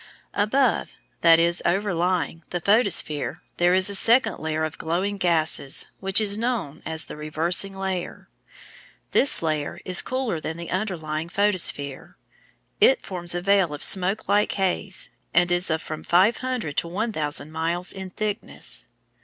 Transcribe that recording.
Above that is, overlying the photosphere there is a second layer of glowing gases, which is known as the reversing layer. This layer is cooler than the underlying photosphere; it forms a veil of smoke like haze and is of from 500 to 1,000 miles in thickness.